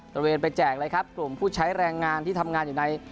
ระเวนไปแจกเลยครับกลุ่มผู้ใช้แรงงานที่ทำงานอยู่ใน